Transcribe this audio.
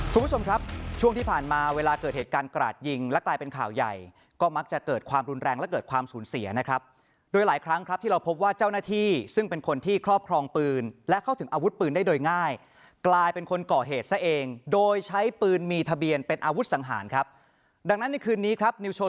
คุณผู้ชมครับช่วงที่ผ่านมาเวลาเกิดเหตุการณ์กราดยิงและกลายเป็นข่าวใหญ่ก็มักจะเกิดความรุนแรงและเกิดความสูญเสียนะครับโดยหลายครั้งครับที่เราพบว่าเจ้าหน้าที่ซึ่งเป็นคนที่ครอบครองปืนและเข้าถึงอาวุธปืนได้โดยง่ายกลายเป็นคนก่อเหตุซะเองโดยใช้ปืนมีทะเบียนเป็นอาวุธสังหารครับดังนั้นในคืนนี้ครับนิวโช